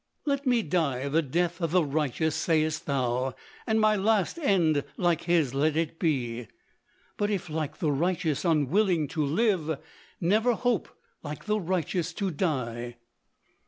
"Let me die the death of the righteous," say'st thou, "And my last end like his let it be;" But if like the righteous unwilling to live, Never hope like the righteous to die.